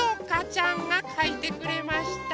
ちゃんがかいてくれました。